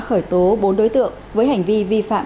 khởi tố bốn đối tượng với hành vi vi phạm